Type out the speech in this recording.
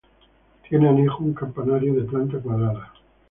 Tiene anejo un campanario de planta cuadrada.